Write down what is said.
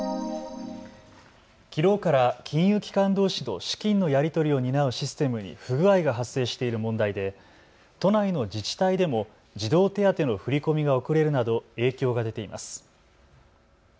きのうから金融機関どうしの資金のやり取りを担うシステムに不具合が発生している問題で都内の自治体でも児童手当の振り込みが遅れるなど影響が出ています。